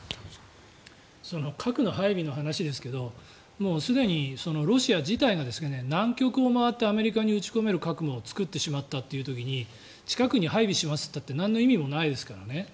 核の配備の話ですがすでにロシア軍が南極を回ってアメリカに撃ち込める核を作ってしまったという時に近くに配備しますといってもなんの意味もないですからね。